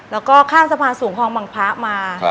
แล้วก็ข้ามสะพานสูงคลองบังพระมา